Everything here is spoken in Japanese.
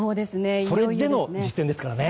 それでの実戦ですからね。